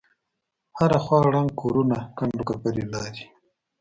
هره خوا ړنگ کورونه کند وکپرې لارې.